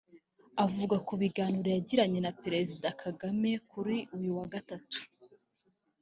Avuga ku biganiro yagiranye na Perezida Kagame kuri uyu wa Gatatu